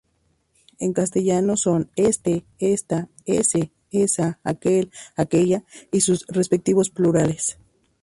En castellano son "este", "esta"; "ese", "esa"; "aquel", "aquella" y sus respectivos plurales.